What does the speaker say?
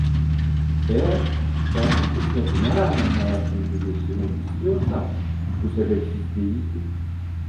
Eğer ben bu kızla buna rağmen hayatımı birleştirmek istiyorsam, bu sebepsiz değildi.